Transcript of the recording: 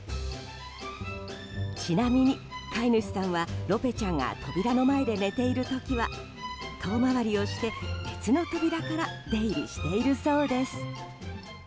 ちなみに、飼い主さんはロペちゃんが扉の前で寝ている時は遠回りをして、別の扉から出入りしているそうです。